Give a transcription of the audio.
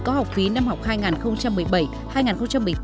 có học phí năm học hai nghìn một mươi bảy hai nghìn một mươi tám